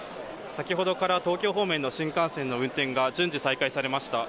先ほどから東京方面の新幹線の運転が順次再開されました。